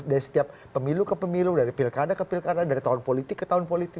dari setiap pemilu ke pemilu dari pilkada ke pilkada dari tahun politik ke tahun politik